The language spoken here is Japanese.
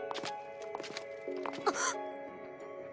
あっ！